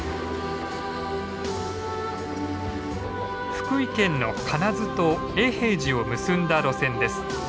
福井県の金津と永平寺を結んだ路線です。